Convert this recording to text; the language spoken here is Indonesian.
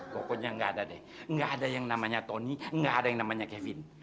pokoknya gak ada deh gak ada yang namanya tony gak ada yang namanya kevin